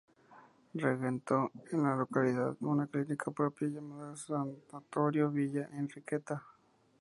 Regentó en la localidad una clínica propia, llamada sanatorio Villa-Enriqueta.